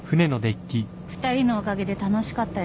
２人のおかげで楽しかったよ。